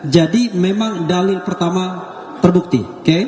jadi memang dalil pertama terbukti